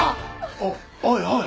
おおいおい。